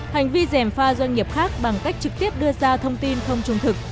hành vi dèm pha doanh nghiệp khác bằng cách trực tiếp đưa ra thông tin không trung thực